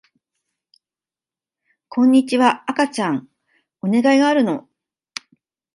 こんにちは赤ちゃんお願いがあるの